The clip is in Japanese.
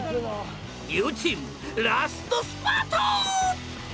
両チームラストスパート！